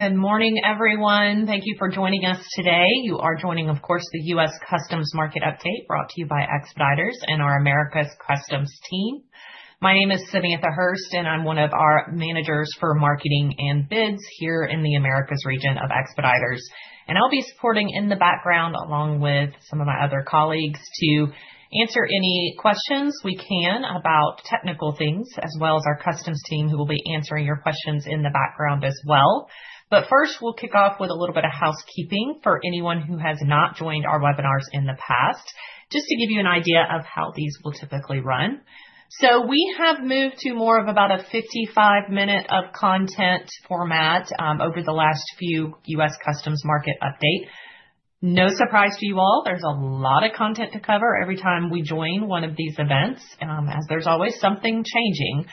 Good morning, everyone. Thank you for joining us today. You are joining, of course, the U.S. Customs Market Update, brought to you by Expeditors and our Americas Customs team. My name is Samantha Hurst, and I'm one of our managers for Marketing and Bids here in the Americas region of Expeditors International of Washington. I'll be supporting in the background, along with some of my other colleagues, to answer any questions we can about technical things, as well as our customs team who will be answering your questions in the background as well. First, we'll kick off with a little bit of housekeeping for anyone who has not joined our webinars in the past, just to give you an idea of how these will typically run. We have moved to more of about a 55-minute content format over the last few U.S. Customs Market Updates. No surprise to you all, there's a lot of content to cover every time we join one of these events, as there's always something changing.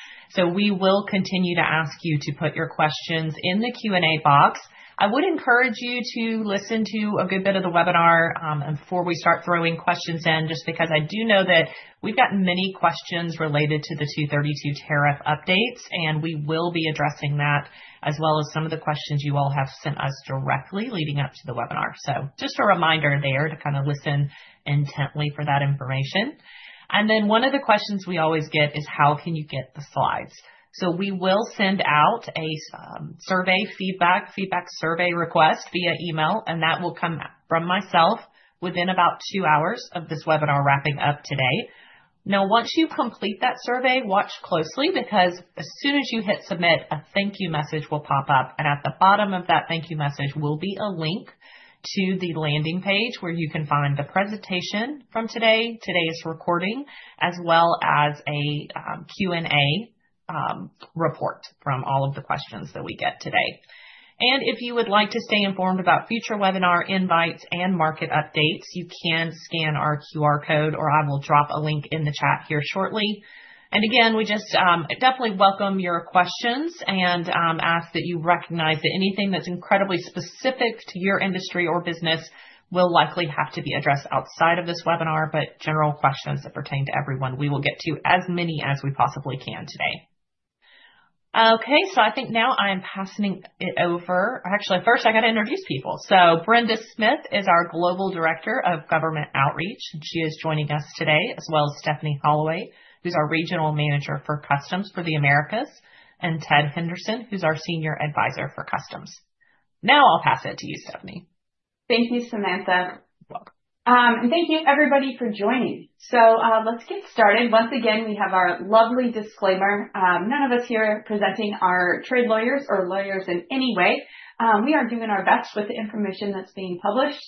We will continue to ask you to put your questions in the Q&A box. I would encourage you to listen to a good bit of the webinar before we start throwing questions in, just because I do know that we've got many questions related to the Section 232 tariff updates, and we will be addressing that, as well as some of the questions you all have sent us directly leading up to the webinar. Just a reminder there to kind of listen intently for that information. One of the questions we always get is, how can you get the slides? We will send out a feedback survey request via email, and that will come from myself within about two hours of this webinar wrapping up today. Once you complete that survey, watch closely, because as soon as you hit submit, a thank you message will pop up. At the bottom of that thank you message will be a link to the landing page where you can find the presentation from today, today's recording, as well as a Q&A report from all of the questions that we get today. If you would like to stay informed about future webinar invites and market updates, you can scan our QR code, or I will drop a link in the chat here shortly. We just definitely welcome your questions and ask that you recognize that anything that's incredibly specific to your industry or business will likely have to be addressed outside of this webinar, but general questions that pertain to everyone, we will get to as many as we possibly can today. I think now I am passing it over. Actually, first I got to introduce people. Brenda Smith is our Global Director of Government Outreach, and she is joining us today, as well as Stephanie Holloway, who's our Regional Manager for Customs for the Americas, and Ted Henderson, who's our Senior Advisor for Customs. Now I'll pass it to you, Stephanie. Thank you, Samantha. And thank you, everybody, for joining. Let's get started. Once again, we have our lovely disclaimer. None of us here are presenting as trade lawyers or lawyers in any way. We are doing our best with the information that's being published,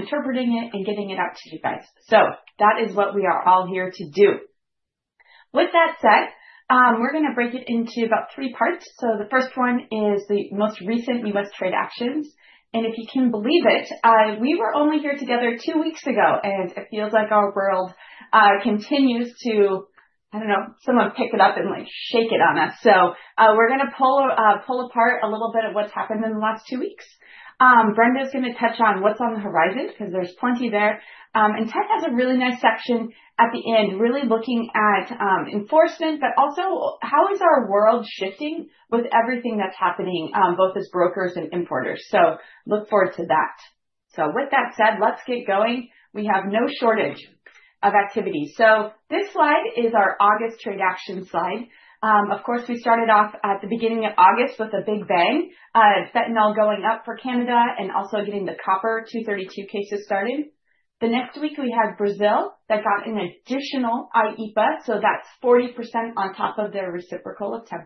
interpreting it, and getting it out to you guys. That is what we are all here to do. With that said, we're going to break it into about three parts. The first one is the most recent U.S. trade actions. If you can believe it, we were only here together two weeks ago, and it feels like our world continues to, I don't know, someone pick it up and shake it on us. We're going to pull apart a little bit of what's happened in the last two weeks. Brenda is going to touch on what's on the horizon, because there's plenty there. Ted has a really nice section at the end, really looking at enforcement, but also how our world is shifting with everything that's happening, both as brokers and importers. Look forward to that. With that said, let's get going. We have no shortage of activity. This slide is our August trade action slide. Of course, we started off at the beginning of August with a big bang, fentanyl going up for Canada, and also getting the copper Section 232 cases started. The next week we had Brazil that got an additional IEPA, so that's 40% on top of their reciprocal of 10%.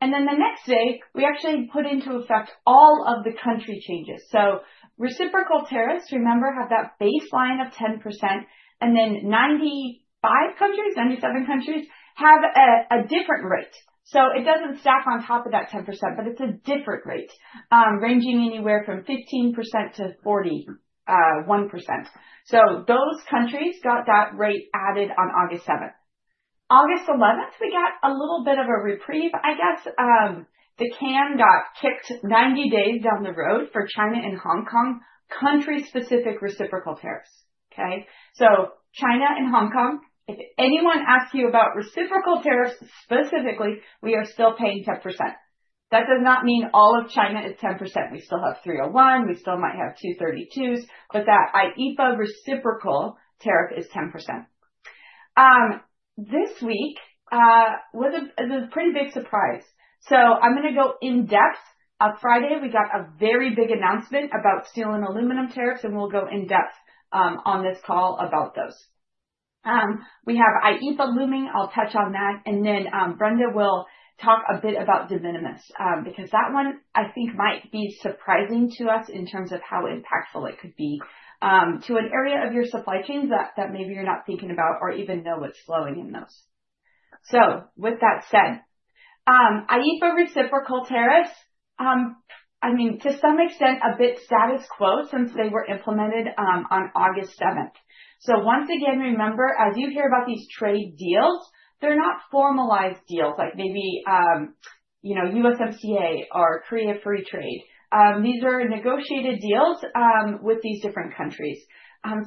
The next day, we actually put into effect all of the country changes. Reciprocal tariffs, remember, have that baseline of 10%, and then 95 countries, 97 countries have a different rate. It doesn't stack on top of that 10%, but it's a different rate, ranging anywhere from 15%-41%. Those countries got that rate added on August 7th. August 11th, we got a little bit of a reprieve, I guess. The CAND Act kicked 90 days down the road for China and Hong Kong country-specific reciprocal tariffs. China and Hong Kong, if anyone asks you about reciprocal tariffs specifically, we are still paying 10%. That does not mean all of China is 10%. We still have Section 301, we still might have Section 232s, but that IEPA reciprocal tariff is 10%. This week was a pretty big surprise. I'm going to go in depth. On Friday, we got a very big announcement about steel and aluminum tariffs, and we'll go in depth on this call about those. We have IEPA looming. I'll touch on that. Brenda will talk a bit about de minimis, because that one I think might be surprising to us in terms of how impactful it could be to an area of your supply chain that maybe you're not thinking about or even know what's slowing in those. With that said, IEPA reciprocal tariffs, I mean, to some extent, a bit status quo since they were implemented on August 7th. Once again, remember, as you hear about these trade deals, they're not formalized deals, like maybe, you know, USFCA or Korea Free Trade. These are negotiated deals with these different countries.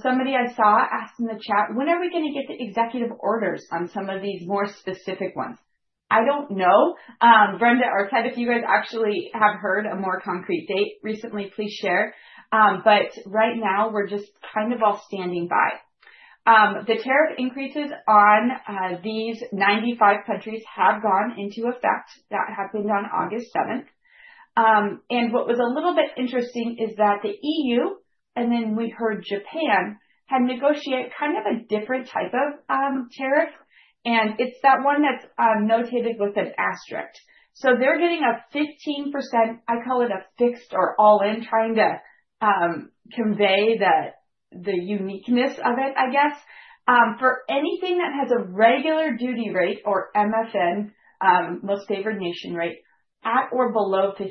Somebody I saw asked in the chat, when are we going to get the executive orders on some of these more specific ones? I don't know. Brenda or Ted, if you guys actually have heard a more concrete date recently, please share. Right now, we're just kind of all standing by. The tariff increases on these 95 countries have gone into effect. That happened on August 7th. What was a little bit interesting is that the EU, and then we heard Japan, had negotiated kind of a different type of tariff. It's that one that's notated with an asterisk. They're getting a 15%, I call it a fixed or all-in, trying to convey the uniqueness of it, I guess, for anything that has a regular duty rate or MFN, most favored nation rate, at or below 15%.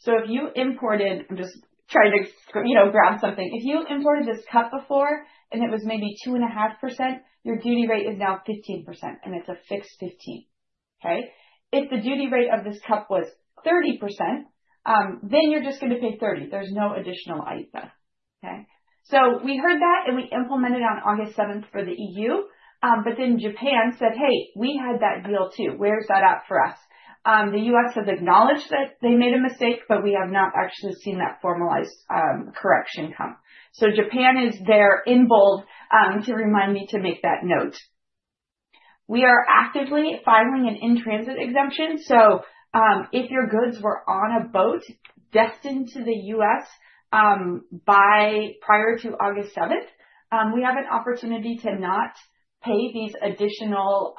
If you imported, I'm just trying to, you know, grab something. If you imported this cup before and it was maybe 2.5%, your duty rate is now 15%, and it's a fixed 15%. If the duty rate of this cup was 30%, then you're just going to pay 30%. There's no additional IEPA. We heard that and we implemented it on August 7th for the EU. Japan said, hey, we had that deal too. Where's that at for us? The U.S. has acknowledged that they made a mistake, but we have not actually seen that formalized correction come. Japan is there in bold to remind me to make that note. We are actively filing an in-transit exemption. If your goods were on a boat destined to the U.S. prior to August 7th, we have an opportunity to not pay these additional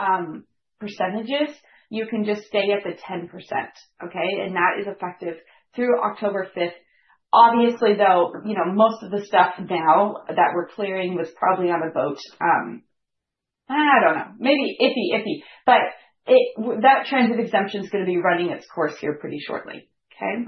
percentages. You can just stay at the 10%. That is effective through October 5th. Obviously, though, most of the stuff now that we're clearing was probably on a boat. I don't know, maybe iffy, iffy, but that transit exemption is going to be running its course here pretty shortly. Okay,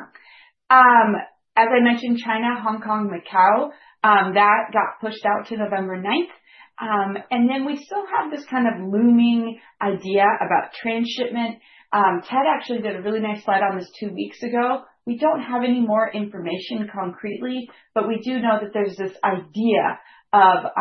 as I mentioned, China, Hong Kong, Macau, that got pushed out to November 9th. We still have this kind of looming idea about transshipment. Ted actually did a really nice slide on this two weeks ago. We don't have any more information concretely, but we do know that there's this idea of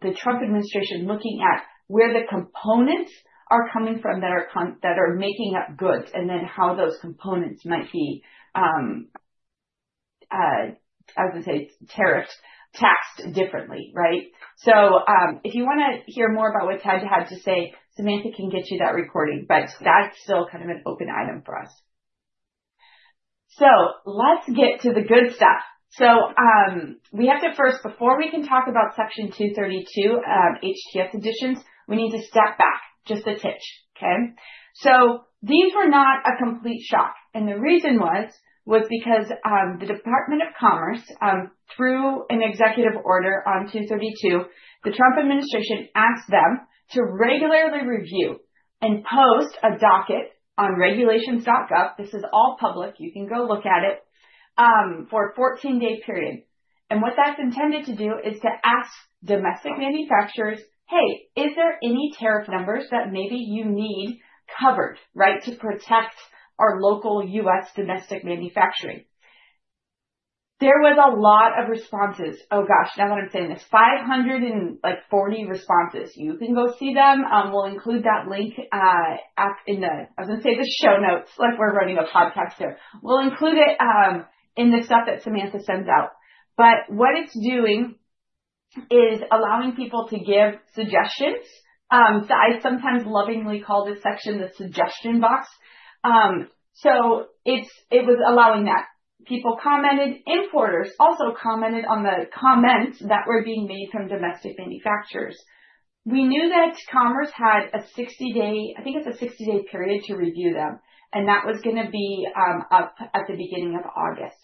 the Trump administration looking at where the components are coming from that are making up goods and then how those components might be, as I say, tariffs tasked differently, right? If you want to hear more about what Ted had to say, Samantha can get you that recording, but that's still kind of an open item for us. Let's get to the good stuff. We have to first, before we can talk about Section 232, HTS additions, step back just a titch. These were not a complete shock. The reason was because the Department of Commerce, through an executive order on 232, the Trump administration asked them to regularly review and post a docket on regulations.gov. This is all public. You can go look at it for a 14-day period. What that's intended to do is to ask domestic manufacturers, hey, is there any tariff numbers that maybe you need covered, right, to protect our local U.S. domestic manufacturing? There was a lot of responses. Oh gosh, now that I'm saying this, 540 responses. You can go see them. We'll include that link up in the, I was going to say the show notes, like we're running a podcast here. We'll include it in the stuff that Samantha sends out. What it's doing is allowing people to give suggestions. I sometimes lovingly call this section the suggestion box. It was allowing that. People commented. Importers also commented on the comments that were being made from domestic manufacturers. We knew that Commerce had a 60-day, I think it's a 60-day period to review them. That was going to be at the beginning of August.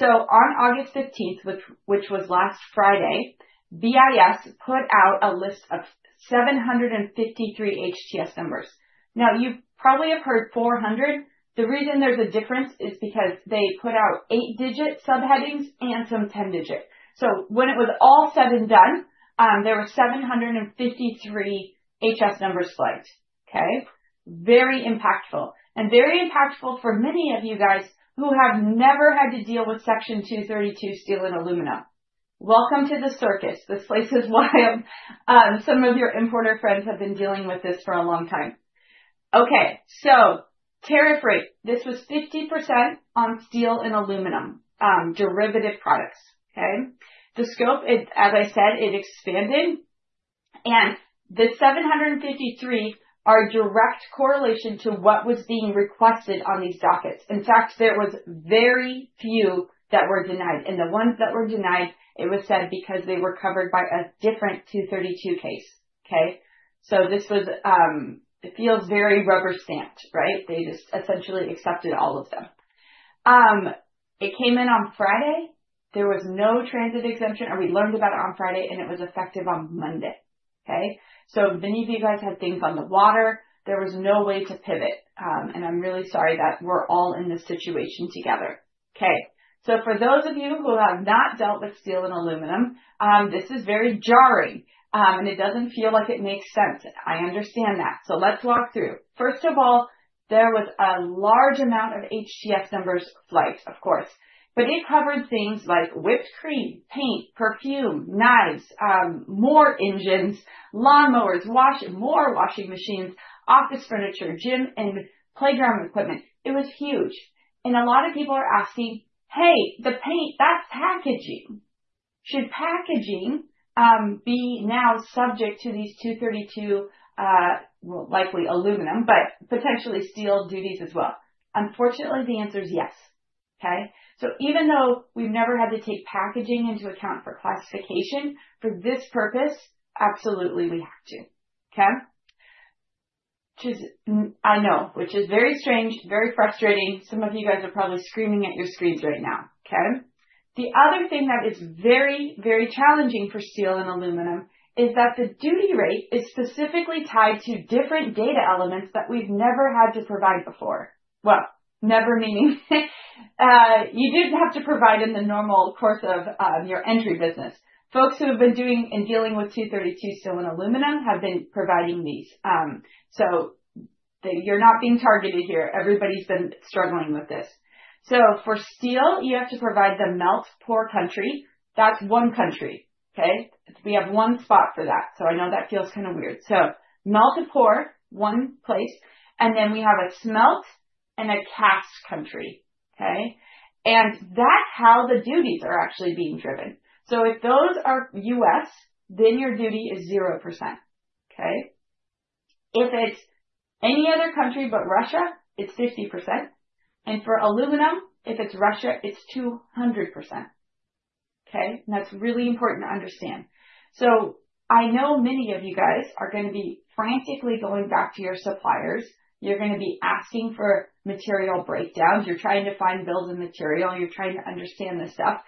On August 15th, which was last Friday, BIS put out a list of 753 HTS numbers. Now you probably have heard 400. The reason there's a difference is because they put out eight-digit subheadings and some 10-digit. When it was all said and done, there were 753 HTS numbers slides. Very impactful. Very impactful for many of you guys who have never had to deal with Section 232 steel and aluminum. Welcome to the circus. This place is wild. Some of your importer friends have been dealing with this for a long time. Tariff rate. This was 50% on steel and aluminum derivative products. Okay, the scope, as I said, it expanded. And the 753 are direct correlation to what was being requested on these dockets. In fact, there were very few that were denied. The ones that were denied, it was said because they were covered by a different Section 232 case. This was, it feels very rubber stamped, right? They just essentially accepted all of them. It came in on Friday. There was no transit exemption, or we learned about it on Friday, and it was effective on Monday. Many of you guys had things on the water. There was no way to pivot. I'm really sorry that we're all in this situation together. For those of you who have not dealt with steel and aluminum, this is very jarring. It doesn't feel like it makes sense. I understand that. Let's walk through. First of all, there was a large amount of HTS numbers slides, of course. It covered things like whipped cream, paint, perfume, knives, more engines, lawnmowers, washing, more washing machines, office furniture, gym and playground equipment. It was huge. A lot of people are asking, hey, the paint, that packaging. Should packaging be now subject to these Section 232, likely aluminum, but potentially steel duties as well? Unfortunately, the answer is yes. Even though we've never had to take packaging into account for classification, for this purpose, absolutely, we have to. Which is, I know, which is very strange, very frustrating. Some of you guys are probably screaming at your screens right now. The other thing that is very, very challenging for steel and aluminum is that the duty rate is specifically tied to different data elements that we've never had to provide before. Never meaning you did have to provide in the normal course of your entry business. Folks who have been doing and dealing with Section 232 steel and aluminum have been providing these. You're not being targeted here. Everybody's been struggling with this. For steel, you have to provide the melt-poor country. That's one country. We have one spot for that. I know that feels kind of weird. Melt-poor, one place. Then we have a smelt and a cast country. That's how the duties are actually being driven. If those are U.S., then your duty is 0%. If it's any other country but Russia, it's 60%. For aluminum, if it's Russia, it's 200%. That's really important to understand. I know many of you are going to be frantically going back to your suppliers. You're going to be asking for material breakdowns. You're trying to find build-in material. You're trying to understand this stuff.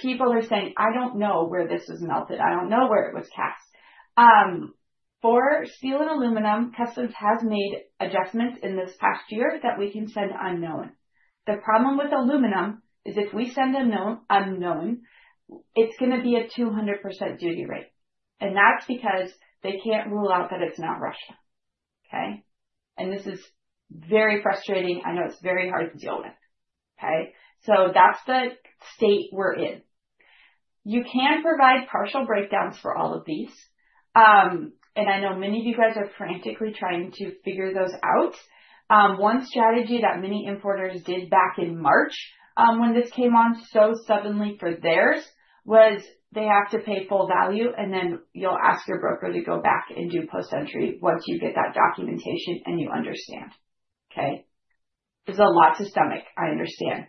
People are saying, I don't know where this was melted. I don't know where it was cast. For steel and aluminum, Customs has made adjustments in this past year that we can send unknown. The problem with aluminum is if we send unknown, it's going to be a 200% duty rate. That's because they can't rule out that it's not Russia. This is very frustrating. I know it's very hard to deal with. That's the state we're in. You can provide partial breakdowns for all of these. I know many of you are frantically trying to figure those out. One strategy that many importers did back in March when this came on so suddenly for theirs was they have to pay full value, and then you'll ask your broker to go back and do post-entry once you get that documentation and you understand. There's a lot to stomach, I understand.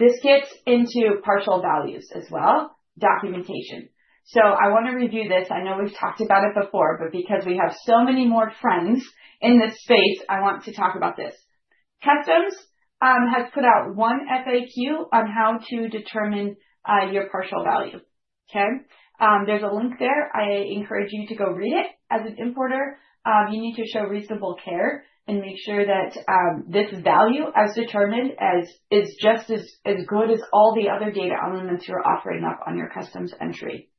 This gets into partial values as well, documentation. I want to review this. I know we've talked about it before, but because we have so many more friends in this space, I want to talk about this. Customs has put out one FAQ on how to determine your partial value. There's a link there. I encourage you to go read it. As an importer, you need to show reasonable care and make sure that this value as determined is just as good as all the other data elements you're offering up on your customs entry.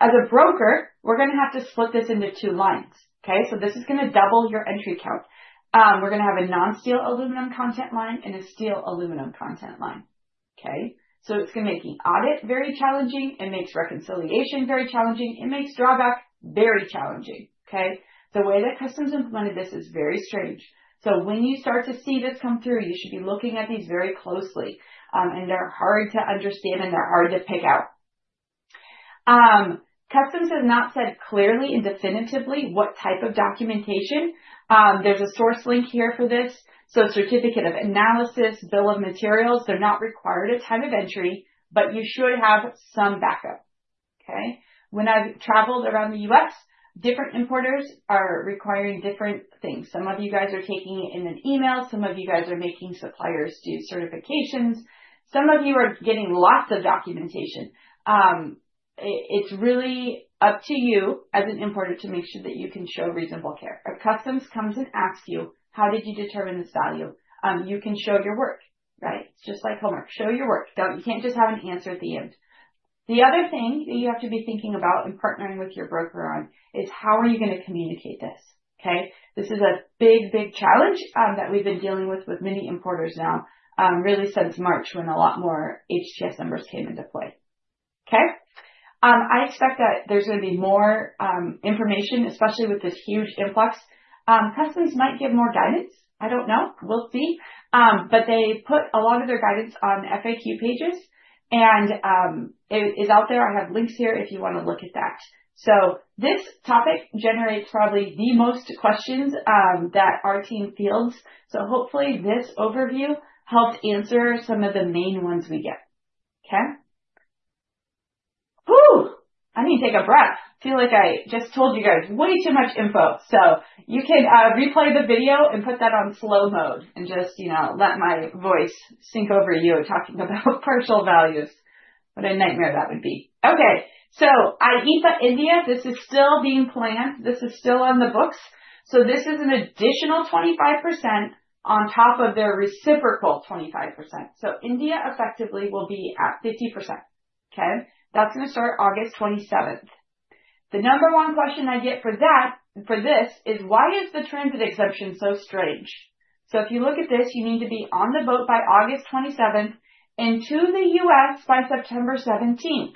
As a broker, we're going to have to split this into two lines. This is going to double your entry count. We're going to have a non-steel aluminum content line and a steel aluminum content line. It's going to make the audit very challenging. It makes reconciliation very challenging. It makes drawback very challenging. The way that Customs implemented this is very strange. When you start to see this come through, you should be looking at these very closely. They're hard to understand, and they're hard to pick out. Customs has not said clearly and definitively what type of documentation. There's a source link here for this. Certificate of analysis, bill of materials, they're not required at the time of entry, but you should have some backup. When I've traveled around the U.S., different importers are requiring different things. Some of you guys are taking in an email. Some of you guys are making suppliers do certifications. Some of you are getting lots of documentation. It's really up to you as an importer to make sure that you can show reasonable care. If Customs comes and asks you, how did you determine this value? You can show your work, right? It's just like homework. Show your work. You can't just have an answer at the end. The other thing that you have to be thinking about and partnering with your broker on is how are you going to communicate this? This is a big, big challenge that we've been dealing with with many importers now, really since March when a lot more HTS numbers came into play. I expect that there's going to be more information, especially with this huge influx. Customs might give more guidance. I don't know. We'll see. They put a lot of their guidance on FAQ pages, and it is out there. I have links here if you want to look at that. This topic generates probably the most questions that our team fields. Hopefully this overview helps answer some of the main ones we get. I mean, take a breath. I feel like I just told you guys way too much info. You can replay the video and put that on slow mode and just, you know, let my voice sink over you talking about partial values. What a nightmare that would be. IEPA India, this is still being planned. This is still on the books. This is an additional 25% on top of their reciprocal 25%. India effectively will be at 50%. That's going to start August 27th. The number one question I get for this is why is the transit exemption so strange? If you look at this, you need to be on the boat by August 27th and to the U.S. by September 17th.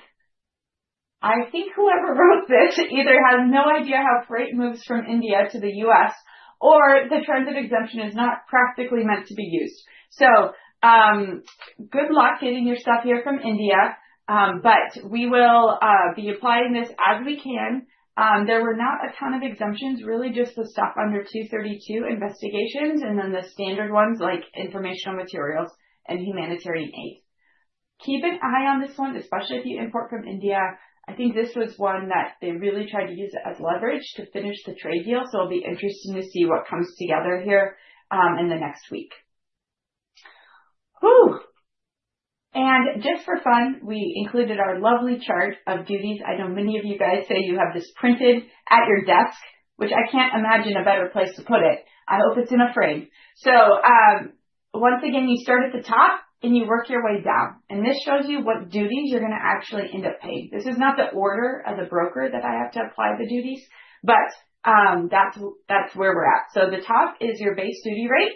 I think whoever wrote this either has no idea how freight moves from India to the U.S., or the transit exemption is not practically meant to be used. Good luck getting your stuff here from India, but we will be applying this as we can. There were not a ton of exemptions, really just the stuff under C-32 investigations and then the standard ones like informational materials and humanitarian aid. Keep an eye on this one, especially if you import from India. I think this was one that they really tried to use as leverage to finish the trade deal. It'll be interesting to see what comes together here in the next week. Just for fun, we included our lovely chart of duties. I know many of you guys say you have this printed at your desk, which I can't imagine a better place to put it. I don't know if it's in a frame. Once again, you start at the top and you work your way down. This shows you what duties you're going to actually end up paying. This is not the order of the broker that I have to apply the duties, but that's where we're at. The top is your base duty rate.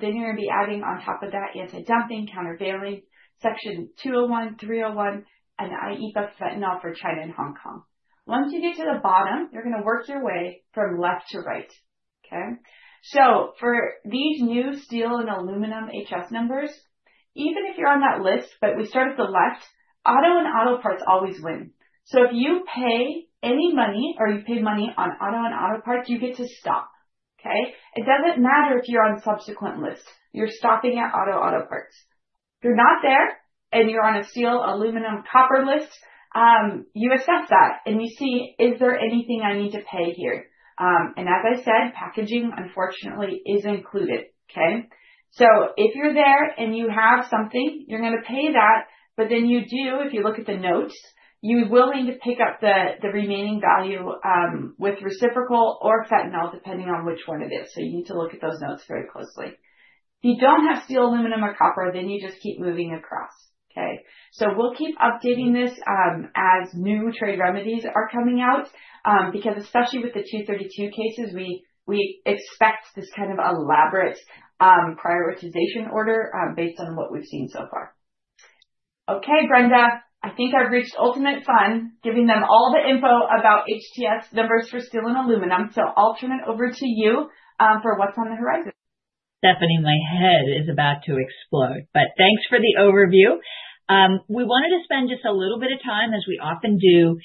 Then you're going to be adding on top of that anti-dumping, countervailing, Section 201, 301, and IEPA fentanyl for China and Hong Kong. Once you get to the bottom, you're going to work your way from left to right. For these new steel and aluminum HTS numbers, even if you're on that list, we start at the left, auto and auto parts always win. If you pay any money or you pay money on auto and auto parts, you get to stop. It doesn't matter if you're on a subsequent list. You're stopping at auto auto parts. If you're not there and you're on a steel aluminum copper list, you assess that and you see, is there anything I need to pay here? As I said, packaging, unfortunately, is included. If you're there and you have something, you're going to pay that, but then you do, if you look at the notes, you will need to pick up the remaining value, with reciprocal or fentanyl, depending on which one it is. You need to look at those notes very closely. If you don't have steel, aluminum, or copper, then you just keep moving across. We'll keep updating this, as new trade remedies are coming out, especially with the 232 cases. We expect this kind of elaborate prioritization order, based on what we've seen so far. Brenda, I think I've reached ultimate fun, giving them all the info about HTS numbers for steel and aluminum. I'll turn it over to you, for what's on the horizon. Stephanie, my head is about to explode, but thanks for the overview. We wanted to spend just a little bit of time, as we often do,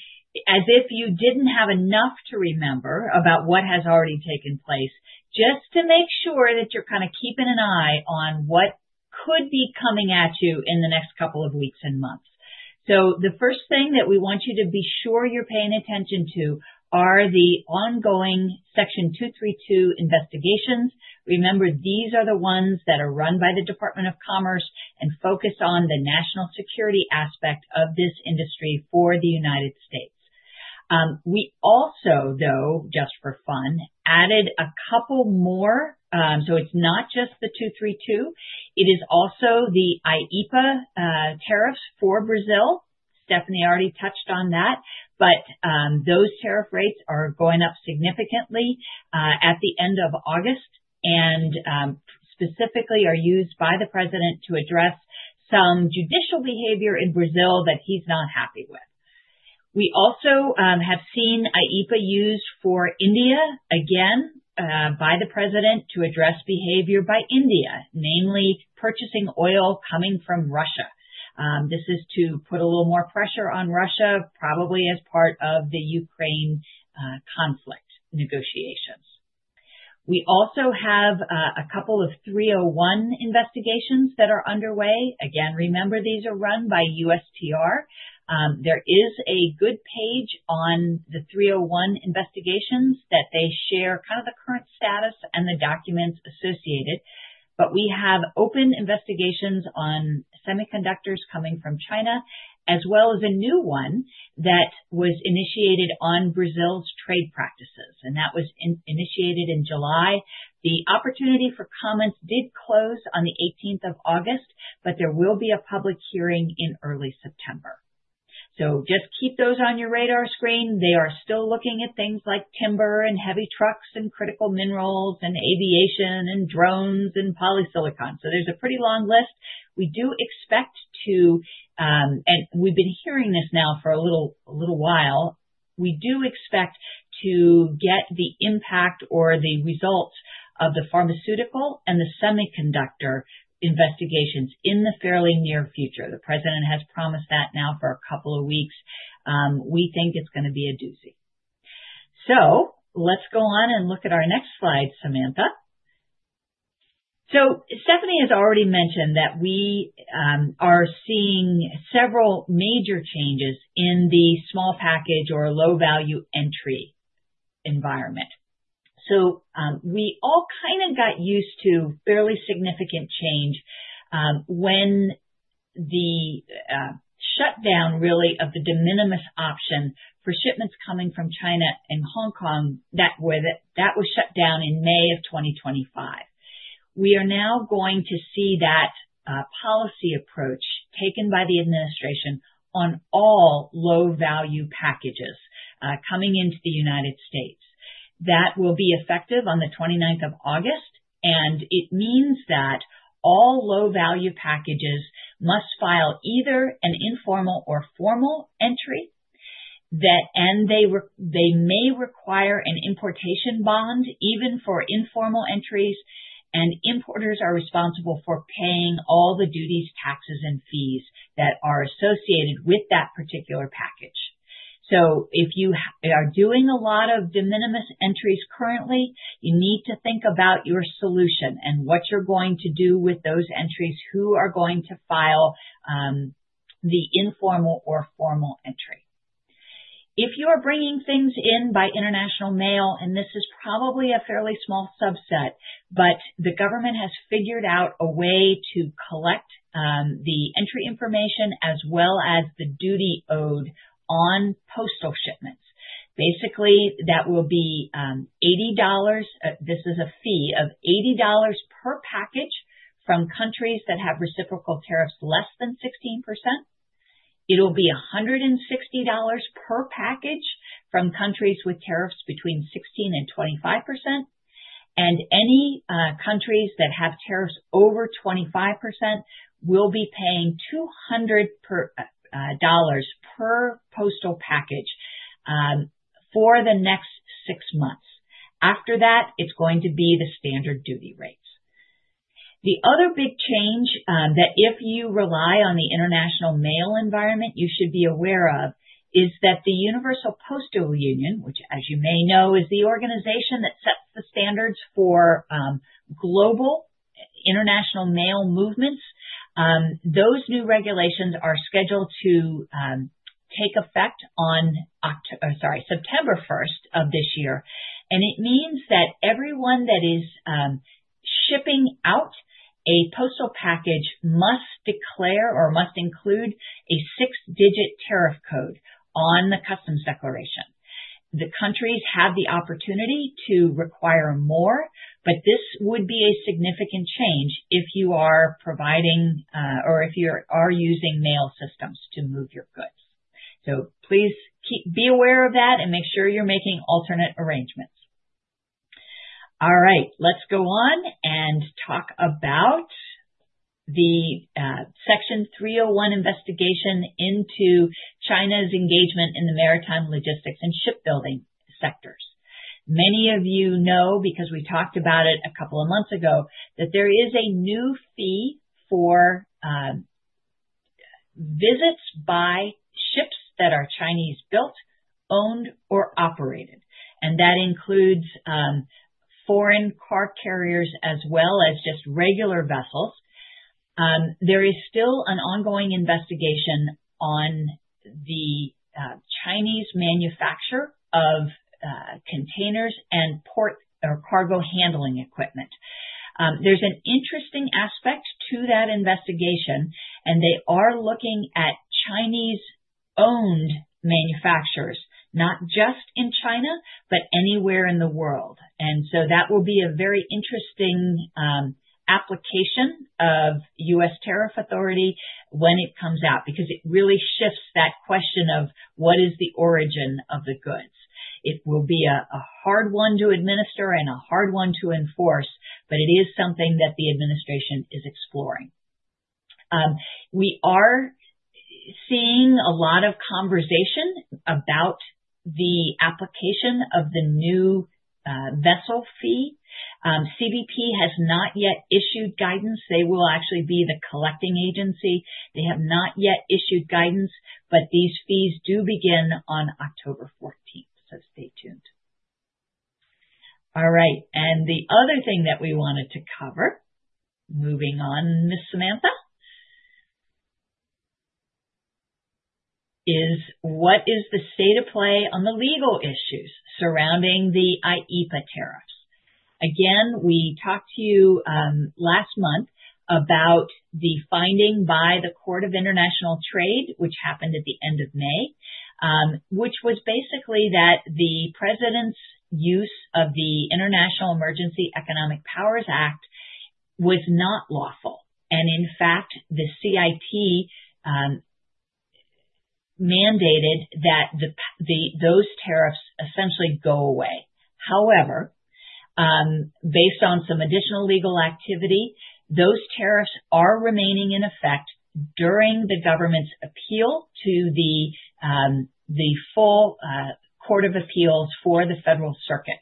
as if you didn't have enough to remember about what has already taken place, just to make sure that you're kind of keeping an eye on what could be coming at you in the next couple of weeks and months. The first thing that we want you to be sure you're paying attention to are the ongoing Section 232 investigations. Remember, these are the ones that are run by the Department of Commerce and focus on the national security aspect of this industry for the United States. We also, though, just for fun, added a couple more. It's not just the 232. It is also the IEPA tariffs for Brazil. Stephanie already touched on that, but those tariff rates are going up significantly at the end of August and specifically are used by the president to address some judicial behavior in Brazil that he's not happy with. We also have seen IEPA used for India again, by the president to address behavior by India, namely purchasing oil coming from Russia. This is to put a little more pressure on Russia, probably as part of the Ukraine conflict negotiations. We also have a couple of 301 investigations that are underway. Again, remember, these are run by USTR. There is a good page on the 301 investigations that they share, kind of the current status and the documents associated. We have open investigations on semiconductors coming from China, as well as a new one that was initiated on Brazil's trade practices. That was initiated in July. The opportunity for comments did close on the 18th of August, but there will be a public hearing in early September. Just keep those on your radar screen. They are still looking at things like timber and heavy trucks and critical minerals and aviation and drones and polysilicons. There's a pretty long list. We do expect to, and we've been hearing this now for a little while, we do expect to get the impact or the results of the pharmaceutical and the semiconductor investigations in the fairly near future. The president has promised that now for a couple of weeks. We think it's going to be a doozy. Let's go on and look at our next slide, Samantha. Stephanie has already mentioned that we are seeing several major changes in the small package or low-value entry environment. We all kind of got used to fairly significant change when the shutdown really of the de minimis option for shipments coming from China and Hong Kong, that were shut down in May of 2025. We are now going to see that policy approach taken by the administration on all low-value packages coming into the United States. That will be effective on 29th of August, and it means that all low-value packages must file either an informal or formal entry. They may require an importation bond, even for informal entries. Importers are responsible for paying all the duties, taxes, and fees that are associated with that particular package. If you are doing a lot of de minimis entries currently, you need to think about your solution and what you're going to do with those entries, who are going to file the informal or formal entry. If you are bringing things in by international mail, and this is probably a fairly small subset, the government has figured out a way to collect the entry information as well as the duty owed on postal shipments. Basically, that will be $80. This is a fee of $80 per package from countries that have reciprocal tariffs less than 16%. It will be $160 per package from countries with tariffs between 16% and 25%. Any countries that have tariffs over 25% will be paying $200 per postal package for the next six months. After that, it's going to be the standard duty rates. The other big change, if you rely on the international mail environment, you should be aware of is that the Universal Postal Union, which, as you may know, is the organization that sets the standards for global international mail movements, those new regulations are scheduled to take effect on September 1st of this year. It means that everyone that is shipping out a postal package must declare or must include a six-digit tariff code on the customs declaration. The countries have the opportunity to require more, but this would be a significant change if you are providing or if you are using mail systems to move your goods. Please be aware of that and make sure you're making alternate arrangements. Let's go on and talk about the Section 301 investigation into China's engagement in the maritime logistics and shipbuilding sectors. Many of you know, because we talked about it a couple of months ago, that there is a new fee for visits by ships that are Chinese-built, owned, or operated. That includes foreign car carriers as well as just regular vessels. There is still an ongoing investigation on the Chinese manufacture of containers and port or cargo handling equipment. There's an interesting aspect to that investigation, and they are looking at Chinese-owned manufacturers, not just in China, but anywhere in the world. That will be a very interesting application of U.S. Tariff Authority when it comes out, because it really shifts that question of what is the origin of the goods. It will be a hard one to administer and a hard one to enforce, but it is something that the administration is exploring. We are seeing a lot of conversation about the application of the new vessel fee. CBP has not yet issued guidance. They will actually be the collecting agency. They have not yet issued guidance, but these fees do begin on October 14th, so stay tuned. The other thing that we wanted to cover, moving on, Ms. Samantha, is what is the state of play on the legal issues surrounding the IEPA tariffs. Again, we talked to you last month about the finding by the Court of International Trade, which happened at the end of May, which was basically that the President's use of the International Emergency Economic Powers Act was not lawful. In fact, the CIT mandated that those tariffs essentially go away. However, based on some additional legal activity, those tariffs are remaining in effect during the government's appeal to the full Court of Appeals for the Federal Circuit.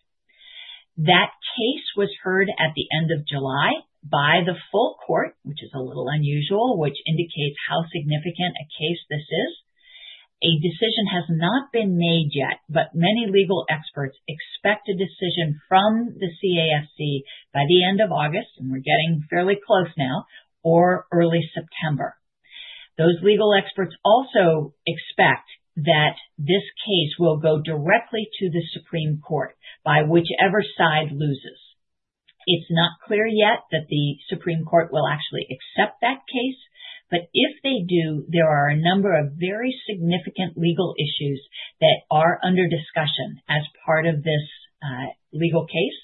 That case was heard at the end of July by the full court, which is a little unusual, which indicates how significant a case this is. A decision has not been made yet, but many legal experts expect a decision from the CAFC by the end of August, and we're getting fairly close now, or early September. Those legal experts also expect that this case will go directly to the Supreme Court by whichever side loses. It's not clear yet that the Supreme Court will actually accept that case, but if they do, there are a number of very significant legal issues that are under discussion as part of this legal case.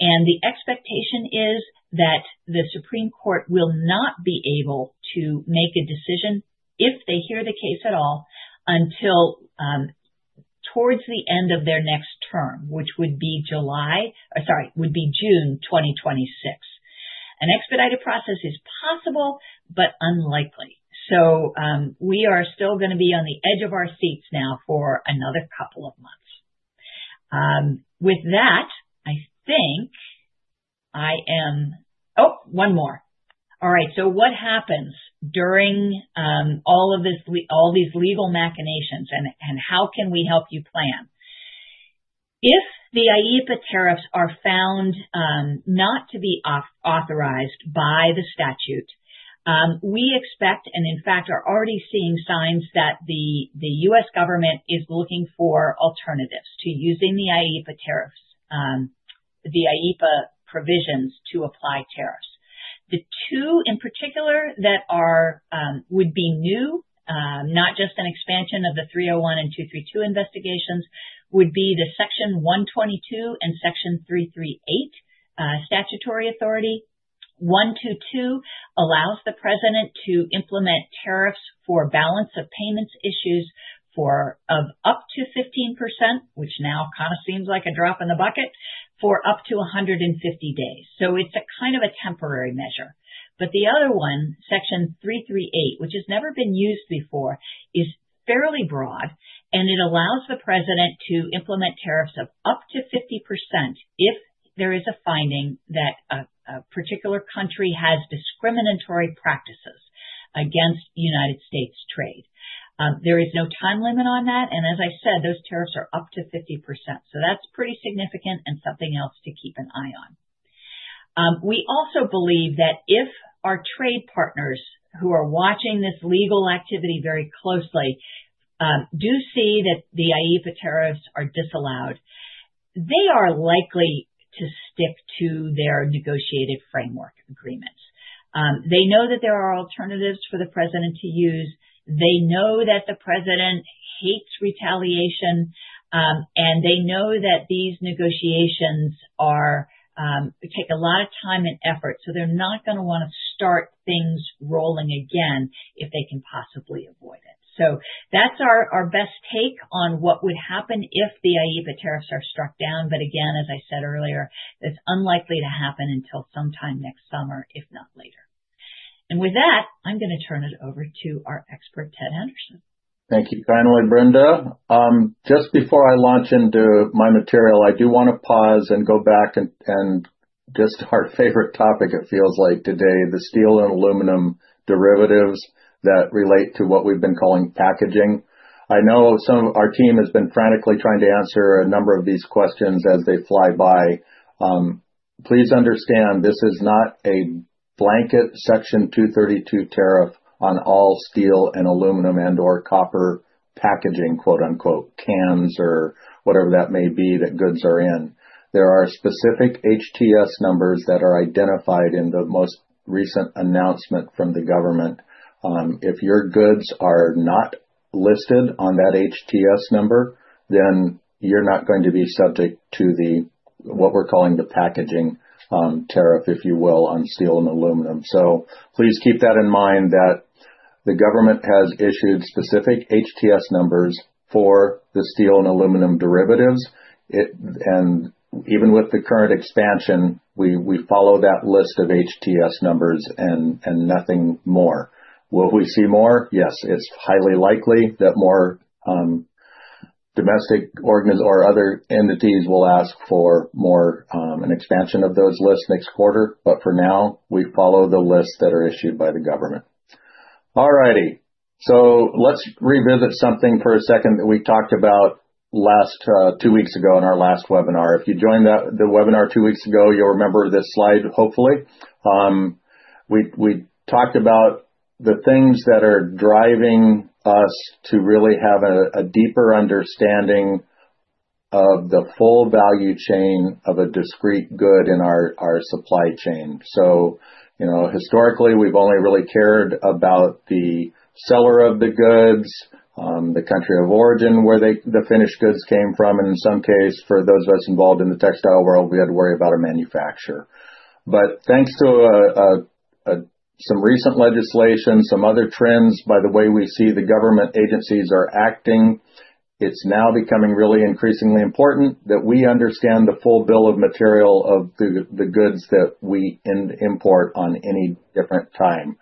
The expectation is that the Supreme Court will not be able to make a decision if they hear the case at all until towards the end of their next term, which would be June 2026. An expedited process is possible, but unlikely. We are still going to be on the edge of our seats now for another couple of months. With that, I think I am—oh, one more. All right, what happens during all of this, all these legal machinations, and how can we help you plan? If the IEPA tariffs are found not to be authorized by the statute, we expect, and in fact are already seeing signs, that the U.S. government is looking for alternatives to using the IEPA tariffs, the IEPA provisions to apply tariffs. The two in particular that would be new, not just an expansion of the 301 and 232 investigations, would be Section 122 and Section 338. Statutory authority 122 allows the president to implement tariffs for balance of payments issues of up to 15%, which now kind of seems like a drop in the bucket, for up to 150 days. It is a kind of a temporary measure. The other one, Section 338, which has never been used before, is fairly broad, and it allows the president to implement tariffs of up to 50% if there is a finding that a particular country has discriminatory practices against United States trade. There is no time limit on that, and as I said, those tariffs are up to 50%. That is pretty significant and something else to keep an eye on. We also believe that if our trade partners, who are watching this legal activity very closely, do see that the IEPA tariffs are disallowed, they are likely to stick to their negotiated framework agreements. They know that there are alternatives for the president to use. They know that the president hates retaliation, and they know that these negotiations take a lot of time and effort. They are not going to want to start things rolling again if they can possibly avoid it. That is our best take on what would happen if the IEPA tariffs are struck down. Again, as I said earlier, it is unlikely to happen until sometime next summer, if not later. With that, I am going to turn it over to our expert, Ted Henderson. Thank you. Finally, Brenda, just before I launch into my material, I do want to pause and go back and just our favorite topic, it feels like today, the steel and aluminum derivatives that relate to what we've been calling packaging. I know some of our team has been frantically trying to answer a number of these questions as they fly by. Please understand this is not a blanket Section 232 tariff on all steel and aluminum and/or copper packaging, quote unquote, cans or whatever that may be that goods are in. There are specific HTS numbers that are identified in the most recent announcement from the government. If your goods are not listed on that HTS number, then you're not going to be subject to what we're calling the packaging, tariff, if you will, on steel and aluminum. Please keep that in mind that the government has issued specific HTS numbers for the steel and aluminum derivatives. Even with the current expansion, we follow that list of HTS numbers and nothing more. Will we see more? Yes, it's highly likely that more, domestic or other entities will ask for more, an expansion of those lists next quarter. For now, we follow the lists that are issued by the government. All righty. Let's revisit something for a second that we talked about last, two weeks ago in our last webinar. If you joined the webinar two weeks ago, you'll remember this slide, hopefully. We talked about the things that are driving us to really have a deeper understanding of the full value chain of a discrete good in our supply chain. Historically, we've only really cared about the seller of the goods, the country of origin where the finished goods came from. In some case, for those of us involved in the textile world, we had to worry about a manufacturer. Thanks to some recent legislation, some other trends, by the way we see the government agencies are acting, it's now becoming really increasingly important that we understand the full bill of material of the goods that we import on any different time.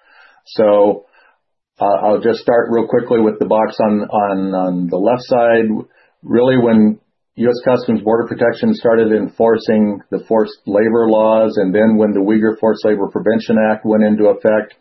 I'll just start real quickly with the box on the left side. Really, when U.S. Customs Border Protection started enforcing the forced labor laws, and then when the Uyghur Forced Labor Prevention Act went into effect,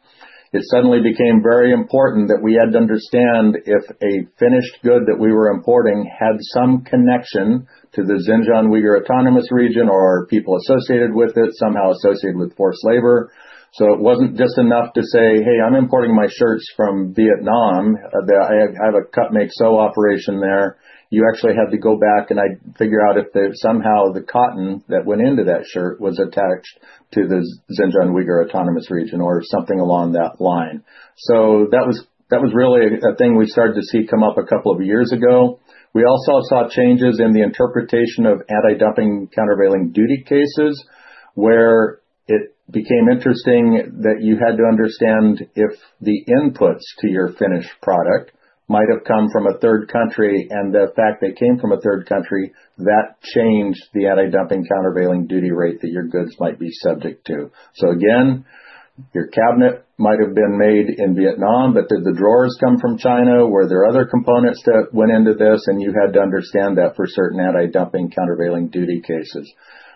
it suddenly became very important that we had to understand if a finished good that we were importing had some connection to the Xinjiang Uyghur Autonomous Region or people associated with it, somehow associated with forced labor. It wasn't just enough to say, "Hey, I'm importing my shirts from Vietnam. I have a cut-make-sew operation there." You actually had to go back and figure out if somehow the cotton that went into that shirt was attached to the Xinjiang Uyghur Autonomous Region or something along that line. That was really a thing we started to see come up a couple of years ago. We also saw changes in the interpretation of anti-dumping countervailing duty cases where it became interesting that you had to understand if the inputs to your finished product might have come from a third country. The fact they came from a third country changed the anti-dumping countervailing duty rate that your goods might be subject to. Your cabinet might have been made in Vietnam, but did the drawers come from China? Were there other components that went into this? You had to understand that for certain anti-dumping countervailing duty cases.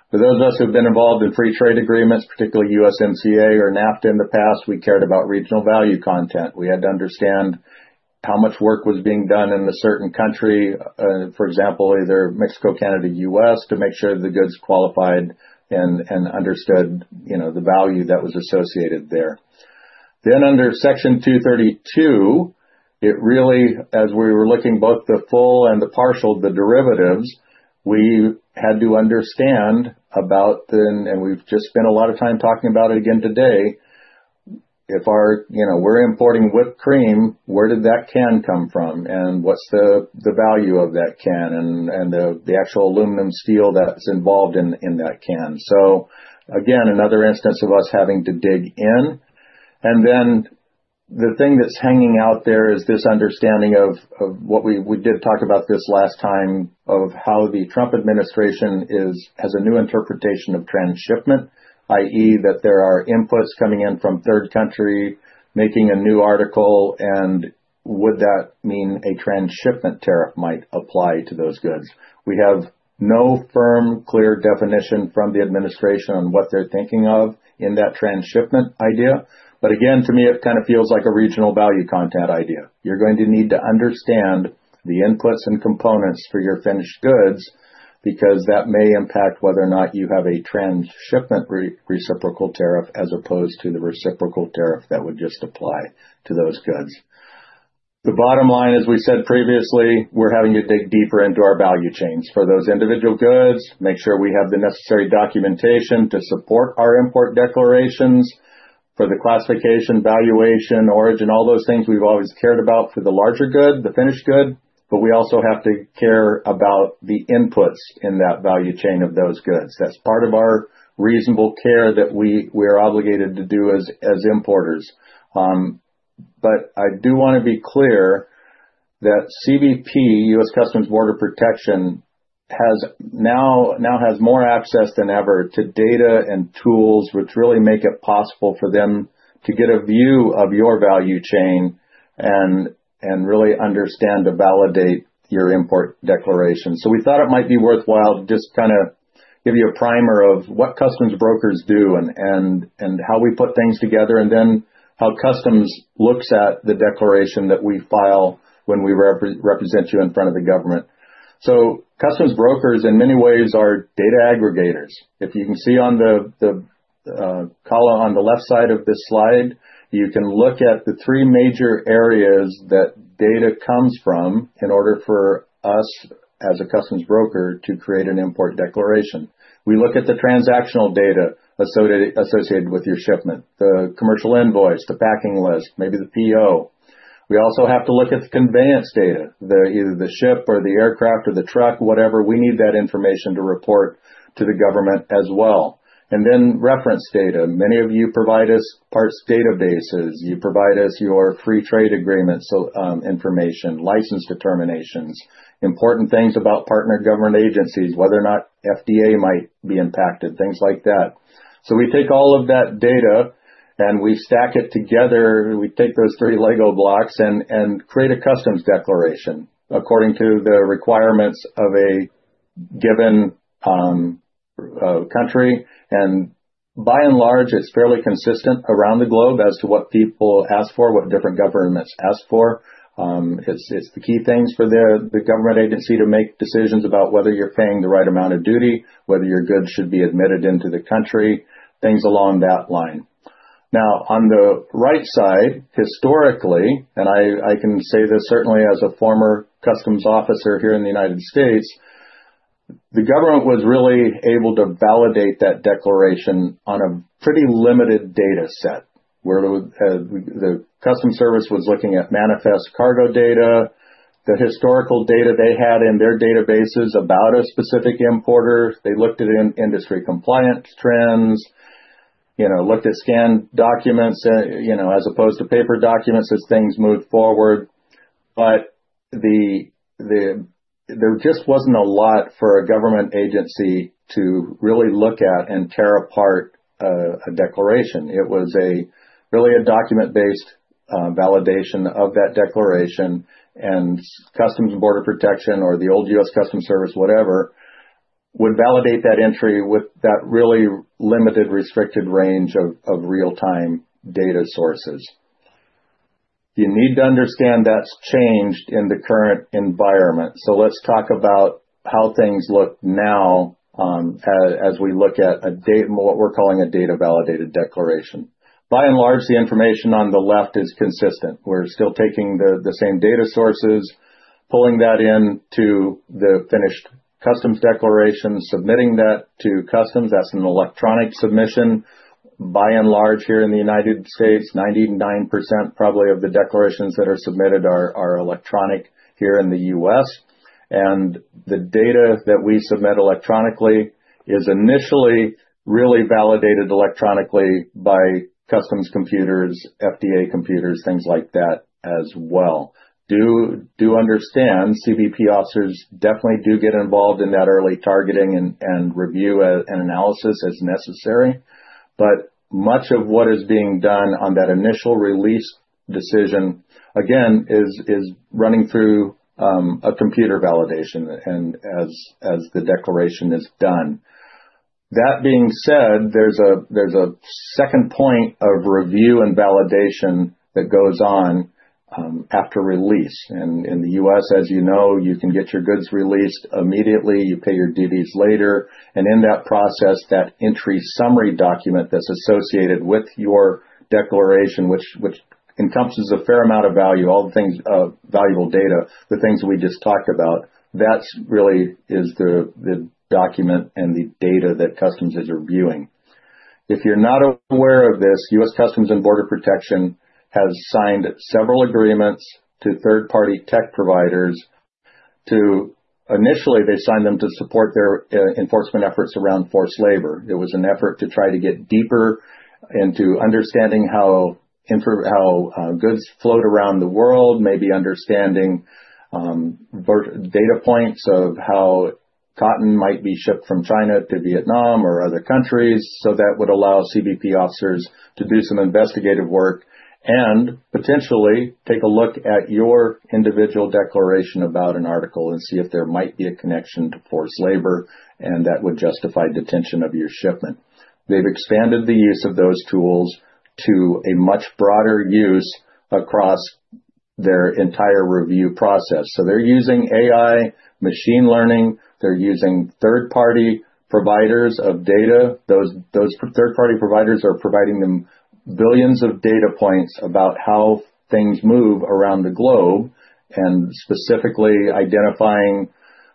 For those of us who have been involved in free trade agreements, particularly USMCA or NAFTA in the past, we cared about regional value content. We had to understand how much work was being done in a certain country, for example, either Mexico, Canada, U.S., to make sure that the goods qualified and understood the value that was associated there. Under Section 232, as we were looking both the full and the partial of the derivatives, we had to understand about the, and we've just spent a lot of time talking about it again today. If we're importing whipped cream, where did that can come from? What's the value of that can and the actual aluminum steel that's involved in that can? Another instance of us having to dig in. The thing that's hanging out there is this understanding of what we did talk about this last time of how the Trump administration has a new interpretation of transshipment, i.e., that there are inputs coming in from third countries making a new article, and would that mean a transshipment tariff might apply to those goods? We have no firm clear definition from the administration on what they're thinking of in that transshipment idea. Again, to me, it kind of feels like a regional value content idea. You're going to need to understand the inputs and components for your finished goods because that may impact whether or not you have a transshipment reciprocal tariff as opposed to the reciprocal tariff that would just apply to those goods. The bottom line, as we said previously, we're having to dig deeper into our value chains for those individual goods, make sure we have the necessary documentation to support our import declarations for the classification, valuation, origin, all those things we've always cared about for the larger good, the finished good, but we also have to care about the inputs in that value chain of those goods. That's part of our reasonable care that we are obligated to do as importers. I do want to be clear that U.S. I do want to be clear that CBP U.S. Customs and Border Protection has now has more access than ever to data and tools which really make it possible for them to get a view of your value chain and really understand to validate your import declaration. We thought it might be worthwhile to just kind of give you a primer of what customs brokers do and how we put things together and then how customs looks at the declaration that we file when we represent you in front of the government. Customs brokers, in many ways, are data aggregators. If you can see on the column on the left side of this slide, you can look at the three major areas that data comes from in order for us as a customs broker to create an import declaration. We look at the transactional data associated with your shipment, the commercial invoice, the packing list, maybe the PO. We also have to look at the conveyance data, either the ship or the aircraft or the truck, whatever. We need that information to report to the government as well. Then reference data. Many of you provide us parts databases. You provide us your free trade agreement information, license determinations, important things about partner government agencies, whether or not FDA might be impacted, things like that. We take all of that data and we stack it together. We take those three Lego blocks and create a customs declaration according to the requirements of a given country. By and large, it's fairly consistent around the globe as to what people ask for, what different governments ask for. It's the key things for the government agency to make decisions about whether you're paying the right amount of duty, whether your goods should be admitted into the country, things along that line. Now, on the right side, historically, and I can say this certainly as a former customs officer here in the United States, the government was really able to validate that declaration on a pretty limited data set. Where the customs service was looking at manifest cargo data, the historical data they had in their databases about a specific importer. They looked at industry compliance trends, looked at scanned documents, as opposed to paper documents as things moved forward. There just wasn't a lot for a government agency to really look at and tear apart a declaration. It was really a document-based validation of that declaration, and U.S. Customs and Border Protection or the old U.S. Customs Service, whatever, would validate that entry with that really limited restricted range of real-time data sources. You need to understand that's changed in the current environment. Let's talk about how things look now as we look at what we're calling a data-validated declaration. By and large, the information on the left is consistent. We're still taking the same data sources, pulling that into the finished customs declaration, submitting that to customs. That's an electronic submission. By and large, here in the United States, 99% probably of the declarations that are submitted are electronic here in the U.S. The data that we submit electronically is initially really validated electronically by customs computers, FDA computers, things like that as well. Do understand CBP officers definitely do get involved in that early targeting and review and analysis as necessary. Much of what is being done on that initial release decision, again, is running through a computer validation and as the declaration is done. That being said, there's a second point of review and validation that goes on after release. In the U.S., as you know, you can get your goods released immediately, you pay your duties later. In that process, that entry summary document that's associated with your declaration, which encompasses a fair amount of value, all the things, valuable data, the things that we just talked about, that really is the document and the data that customs is reviewing. If you're not aware of this, U.S. Customs and Border Protection has signed several agreements to third-party tech providers. Initially, they signed them to support their enforcement efforts around forced labor. It was an effort to try to get deeper into understanding how goods flowed around the world, maybe understanding data points of how cotton might be shipped from China to Vietnam or other countries. That would allow CBP officers to do some investigative work and potentially take a look at your individual declaration about an article and see if there might be a connection to forced labor, and that would justify detention of your shipment. They've expanded the use of those tools to a much broader use across their entire review process. They're using AI, machine learning. They're using third-party providers of data. Those third-party providers are providing them billions of data points about how things move around the globe and specifically identifying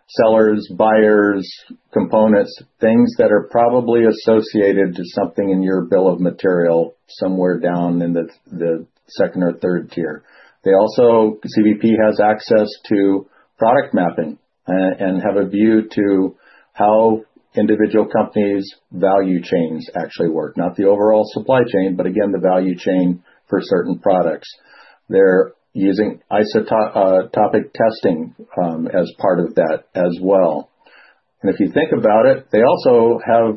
sellers, buyers, components, things that are probably associated to something in your bill of material somewhere down in the second or third tier. CBP has access to product mapping and have a view to how individual companies' value chains actually work, not the overall supply chain, but again, the value chain for certain products. They're using isotopic testing as part of that as well. If you think about it, they also have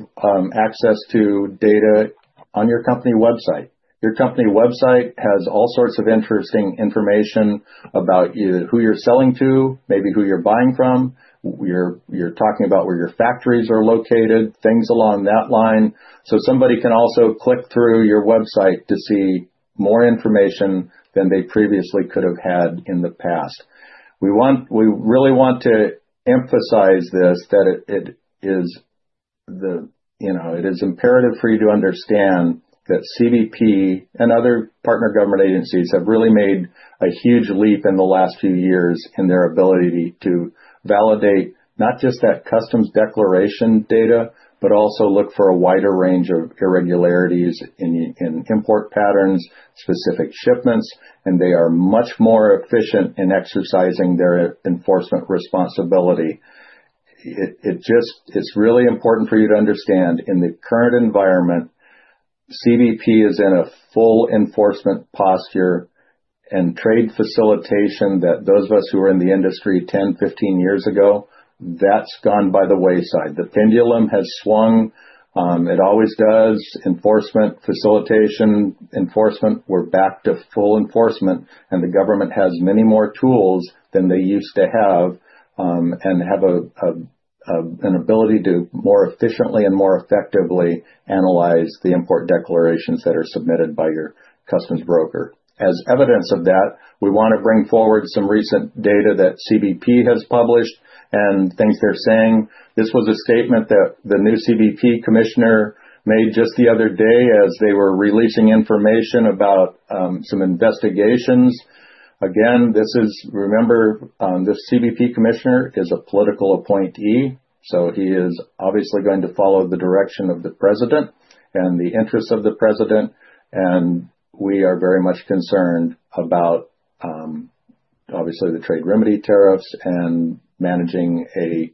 access to data on your company website. Your company website has all sorts of interesting information about either who you're selling to, maybe who you're buying from. You're talking about where your factories are located, things along that line. Somebody can also click through your website to see more information than they previously could have had in the past. We really want to emphasize this, that it is imperative for you to understand that CBP and other partner government agencies have really made a huge leap in the last few years in their ability to validate not just that customs declaration data, but also look for a wider range of irregularities in import patterns, specific shipments, and they are much more efficient in exercising their enforcement responsibility. It's really important for you to understand in the current environment, CBP is in a full enforcement posture and trade facilitation that those of us who were in the industry 10, 15 years ago, that's gone by the wayside. The pendulum has swung. It always does. Enforcement, facilitation, enforcement, we're back to full enforcement, and the government has many more tools than they used to have and have an ability to more efficiently and more effectively analyze the import declarations that are submitted by your customs broker. As evidence of that, we want to bring forward some recent data that CBP has published and things they're saying. This was a statement that the new CBP Commissioner made just the other day as they were releasing information about some investigations. This CBP Commissioner is a political appointee. He is obviously going to follow the direction of the president and the interests of the president. We are very much concerned about, obviously, the trade remedy tariffs and managing a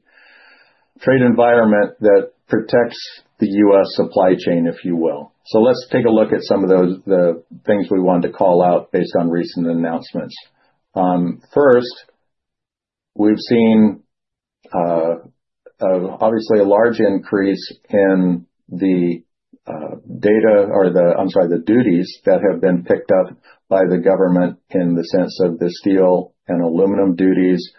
trade environment that protects the U.S. supply chain, if you will. Let's take a look at some of the things we want to call out based on recent announcements. First, we've seen obviously a large increase in the data or the, I'm sorry, the duties that have been picked up by the government in the sense of the steel and aluminum duties,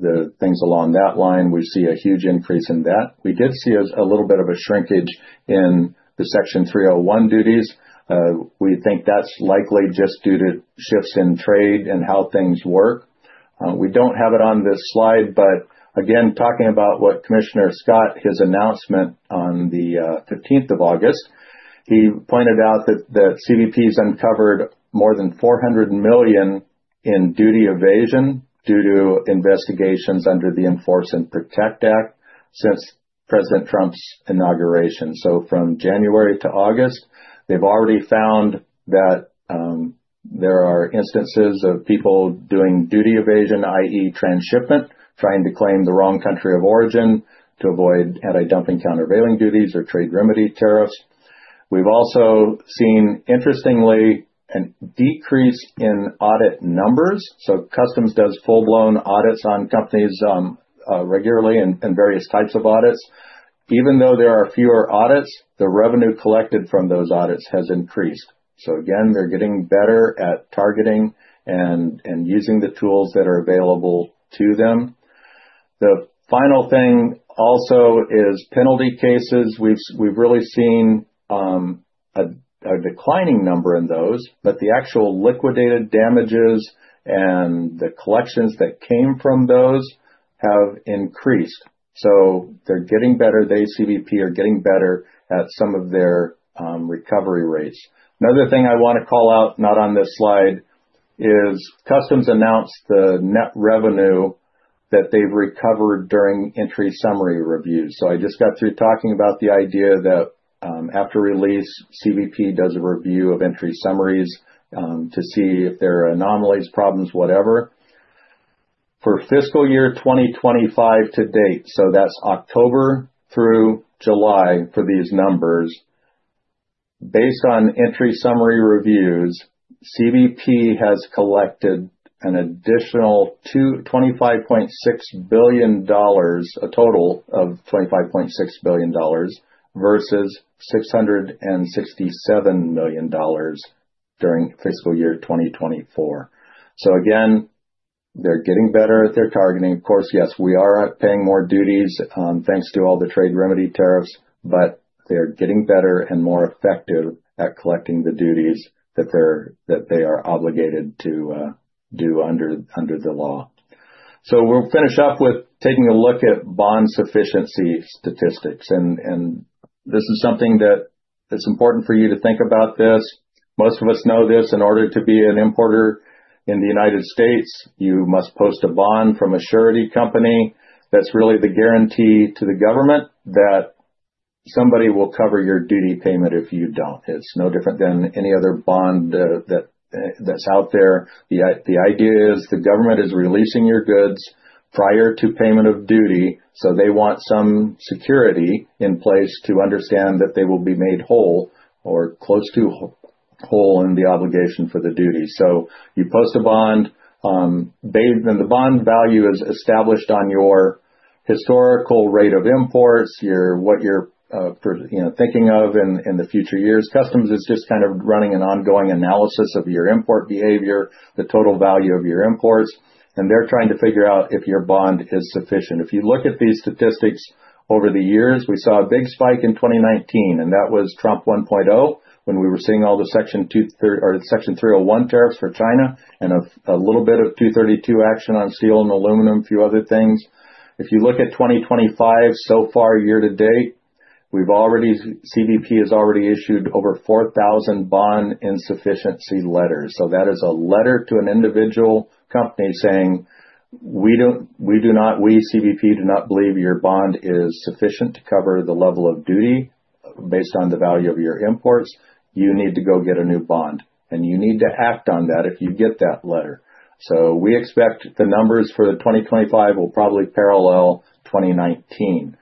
the things along that line. We see a huge increase in that. We did see a little bit of a shrinkage in the Section 301 duties. We think that's likely just due to shifts in trade and how things work. We don't have it on this slide, but again, talking about what Commissioner Scott, his announcement on the 15th of August, he pointed out that CBP has uncovered more than $400 million in duty evasion due to investigations under the Enforce and Protect Act since President Trump's inauguration. From January to August, they've already found that there are instances of people doing duty evasion, i.e., transshipment, trying to claim the wrong country of origin to avoid anti-dumping countervailing duties or trade remedy tariffs. We've also seen, interestingly, a decrease in audit numbers. Customs does full-blown audits on companies regularly and various types of audits. Even though there are fewer audits, the revenue collected from those audits has increased. They're getting better at targeting and using the tools that are available to them. The final thing also is penalty cases. We've really seen a declining number in those, but the actual liquidated damages and the collections that came from those have increased. They're getting better. CBP are getting better at some of their recovery rates. Another thing I want to call out, not on this slide, is Customs announced the net revenue that they've recovered during entry summary reviews. I just got through talking about the idea that after release, CBP does a review of entry summaries to see if there are anomalies, problems, whatever. For fiscal year 2025 to date, that's October through July for these numbers, based on entry summary reviews, CBP has collected an additional $25.6 billion, a total of $25.6 billion versus $667 million during fiscal year 2024. They're getting better at their targeting. Of course, yes, we are paying more duties thanks to all the trade remedy tariffs, but they're getting better and more effective at collecting the duties that they are obligated to do under the law. We'll finish up with taking a look at bond sufficiency statistics. This is something that's important for you to think about. Most of us know this, in order to be an importer in the United States, you must post a bond from a surety company. That's really the guarantee to the government that somebody will cover your duty payment if you don't. It's no different than any other bond that's out there. The idea is the government is releasing your goods prior to payment of duty. They want some security in place to understand that they will be made whole or close to whole in the obligation for the duty. You post a bond, and the bond value is established on your historical rate of imports, what you're thinking of in the future years. Customs is just kind of running an ongoing analysis of your import behavior, the total value of your imports, and they're trying to figure out if your bond is sufficient. If you look at these statistics over the years, we saw a big spike in 2019, and that was Trump 1.0, when we were seeing all the Section 301 tariffs for China and a little bit of 232 action on steel and aluminum, a few other things. If you look at 2025, so far year to date, CBP has already issued over 4,000 bond insufficiency letters. That is a letter to an individual company saying, "We do not, we, CBP, do not believe your bond is sufficient to cover the level of duty based on the value of your imports. You need to go get a new bond, and you need to act on that if you get that letter." We expect the numbers for 2025 will probably parallel 2019.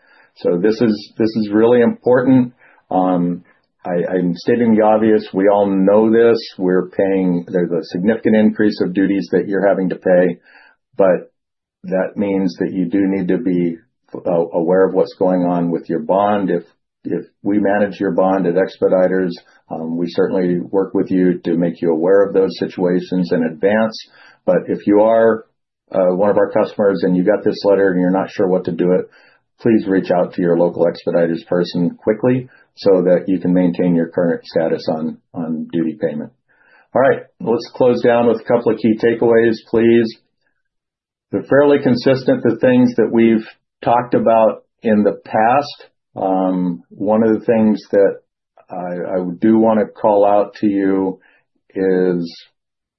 This is really important. I'm stating the obvious. We all know this. We're paying, there's a significant increase of duties that you're having to pay, but that means that you do need to be aware of what's going on with your bond. If we manage your bond at Expeditors International of Washington, we certainly work with you to make you aware of those situations in advance. If you are one of our customers and you got this letter and you're not sure what to do, please reach out to your local Expeditors International of Washington person quickly so that you can maintain your current status on duty payment. All right, let's close down with a couple of key takeaways, please. They're fairly consistent with things that we've talked about in the past. One of the things that I do want to call out to you is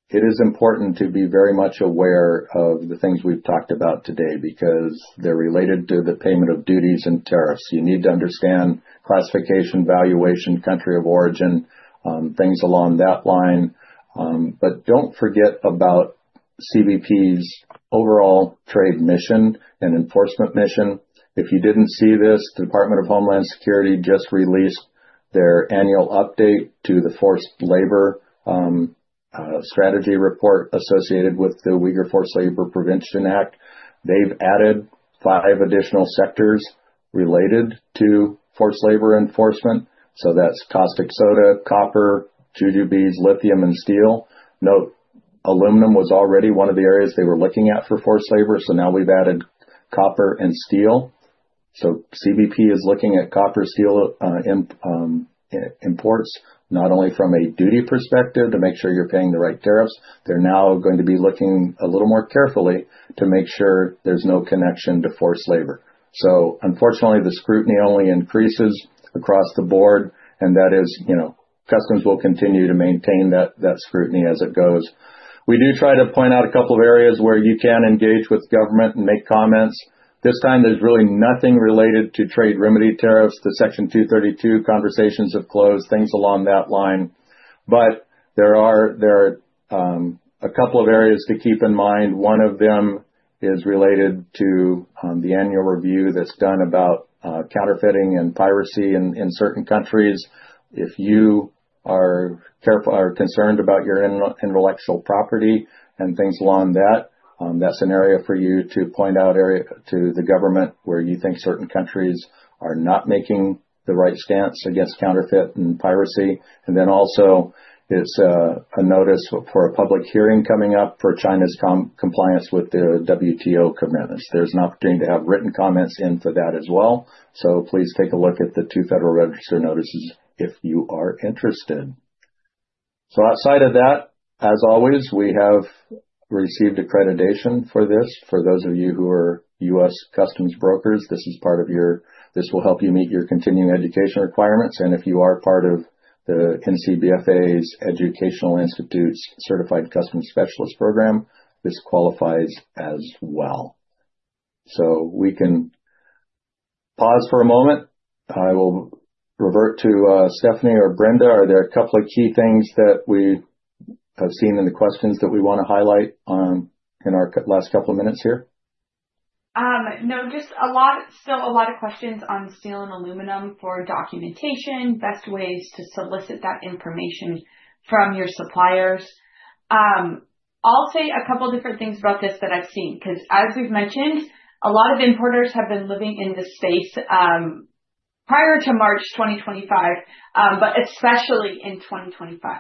it is important to be very much aware of the things we've talked about today because they're related to the payment of duties and tariffs. You need to understand classification, valuation, country of origin, things along that line. Don't forget about U.S. CBP's overall trade mission and enforcement mission. If you didn't see this, the Department of Homeland Security just released their annual update to the Forced Labor Strategy Report associated with the Uyghur Forced Labor Prevention Act. They've added five additional sectors related to forced labor enforcement. That's caustic soda, copper, jujubes, lithium, and steel. Note, aluminum was already one of the areas they were looking at for forced labor. Now we've added copper and steel. U.S. CBP is looking at copper-steel imports, not only from a duty perspective to make sure you're paying the right tariffs. They're now going to be looking a little more carefully to make sure there's no connection to forced labor. Unfortunately, the scrutiny only increases across the board, and that is, you know, customs will continue to maintain that scrutiny as it goes. We do try to point out a couple of areas where you can engage with government and make comments. This time, there's really nothing related to trade remedy tariffs. The Section 232 conversations have closed, things along that line. There are a couple of areas to keep in mind. One of them is related to the annual review that's done about counterfeiting and piracy in certain countries. If you are concerned about your intellectual property and things along that, that's an area for you to point out to the government where you think certain countries are not making the right stance against counterfeit and piracy. There is also a notice for a public hearing coming up for China's compliance with the WTO commitments. There's an opportunity to have written comments in for that as well. Please take a look at the two Federal Register notices if you are interested. Outside of that, as always, we have received accreditation for this. For those of you who are U.S. customs brokers, this is part of your continuing education requirements. If you are part of the NCBFA's Educational Institutes Certified Customs Specialist Program, this qualifies as well. We can pause for a moment. I will revert to Stephanie or Brenda. Are there a couple of key things that we have seen in the questions that we want to highlight in our last couple of minutes here? No, just a lot, still a lot of questions on steel and aluminum for documentation, best ways to solicit that information from your suppliers. I'll say a couple of different things about this that I've seen, because as we've mentioned, a lot of importers have been living in this space prior to March 2025, but especially in 2025.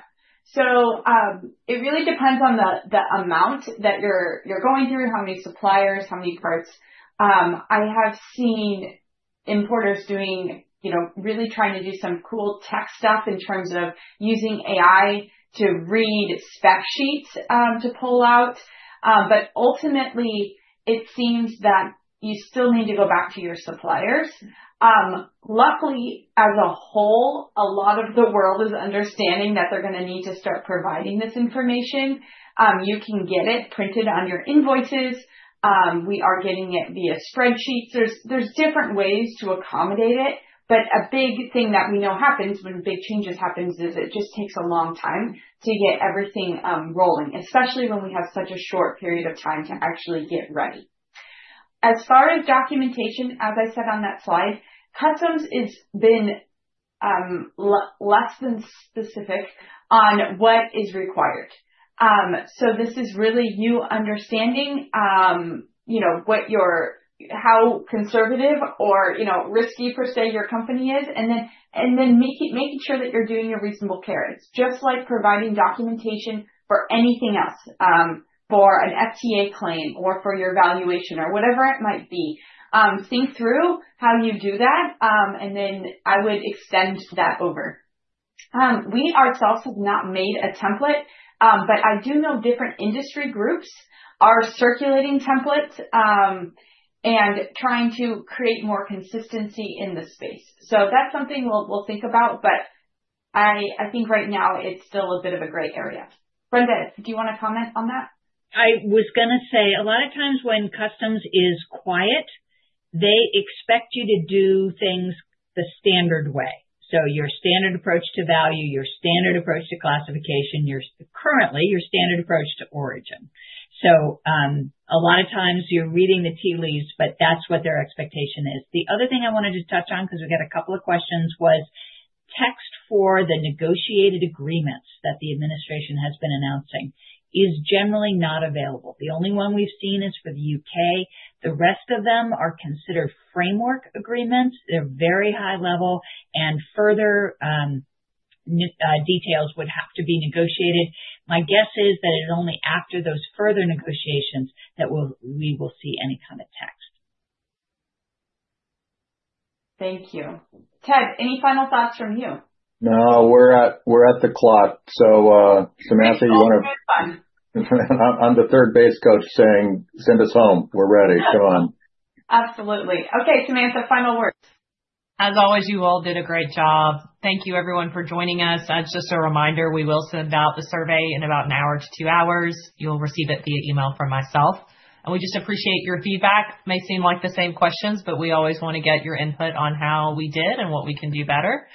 It really depends on the amount that you're going through, how many suppliers, how many parts. I have seen importers doing, you know, really trying to do some cool tech stuff in terms of using AI to read spec sheets to pull out. Ultimately, it seems that you still need to go back to your suppliers. Luckily, as a whole, a lot of the world is understanding that they're going to need to start providing this information. You can get it printed on your invoices. We are getting it via spreadsheets. There are different ways to accommodate it. A big thing that we know happens when big changes happen is it just takes a long time to get everything rolling, especially when we have such a short period of time to actually get ready. As far as documentation, as I said on that slide, Customs has been less than specific on what is required. This is really you understanding, you know, what your, how conservative or, you know, risky per se your company is, and then making sure that you're doing your reasonable care. It's just like providing documentation for anything else, for an FTA claim or for your valuation or whatever it might be. Think through how you do that, and then I would extend that over. We ourselves have not made a template, but I do know different industry groups are circulating templates and trying to create more consistency in the space. That's something we'll think about, but I think right now it's still a bit of a gray area. Brenda, do you want to comment on that? I was going to say, a lot of times when Customs is quiet, they expect you to do things the standard way. Your standard approach to value, your standard approach to classification, your standard approach to origin. A lot of times you're reading the tea leaves, but that's what their expectation is. The other thing I wanted to touch on, because we got a couple of questions, was text for the negotiated agreements that the administration has been announcing is generally not available. The only one we've seen is for the UK. The rest of them are considered framework agreements. They're very high level, and further details would have to be negotiated. My guess is that it's only after those further negotiations that we will see any kind of text. Thank you. Ted, any final thoughts from you? No, we're at the clock. Samantha, you want to, I'm the third base coach saying, send us home. We're ready. Come on. Absolutely. Okay, Samantha, final words. As always, you all did a great job. Thank you, everyone, for joining us. As just a reminder, we will send out the survey in about an hour to two hours. You'll receive it via email from myself. We just appreciate your feedback. It may seem like the same questions, but we always want to get your input on how we did and what we can do better.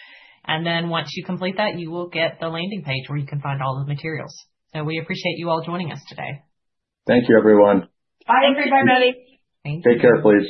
Once you complete that, you will get the landing page where you can find all the materials. We appreciate you all joining us today. Thank you, everyone. Bye, everybody. Thank you. Take care, please.